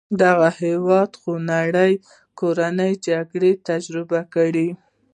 دغه هېواد خونړۍ کورنۍ جګړه تجربه کړه.